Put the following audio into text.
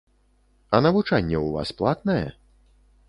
А навучанне ў вас платнае?